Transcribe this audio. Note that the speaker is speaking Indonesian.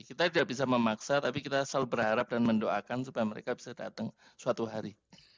kita tidak bisa memaksa tapi kita selalu berharap dan mendoakan supaya mereka bisa datang suatu hari